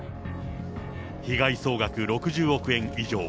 被害総額６０億円以上。